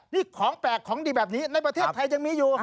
นี่ของแปลกของดีแบบนี้ในประเทศไทยยังมีอยู่